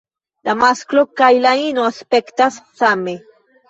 La masklo kaj la ino aspektas same.